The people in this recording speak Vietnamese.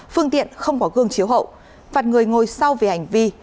phương tiện không có gương chiếu hậu phạt người ngồi sau về hành vi